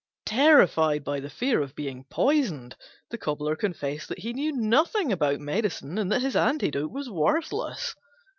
Terrified by the fear of being poisoned, the Cobbler confessed that he knew nothing about medicine, and that his antidote was worthless.